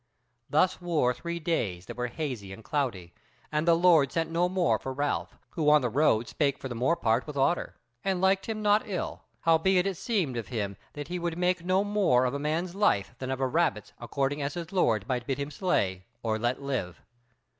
Thus wore three days that were hazy and cloudy, and the Lord sent no more for Ralph, who on the road spake for the more part with Otter, and liked him not ill; howbeit it seemed of him that he would make no more of a man's life than of a rabbit's according as his lord might bid slay or let live.